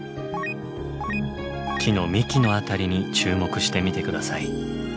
木の幹の辺りに注目してみて下さい。